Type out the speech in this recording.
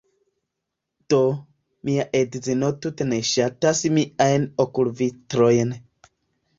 Do, mia edzino tute ne ŝatas miajn okulvitrojn